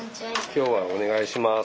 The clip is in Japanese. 今日はお願いします。